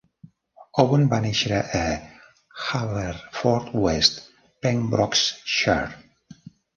Owen va néixer a Haverfordwest, Pembrokeshire.